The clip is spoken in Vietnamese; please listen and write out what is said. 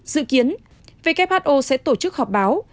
dự kiến who sẽ tổ chức họp báo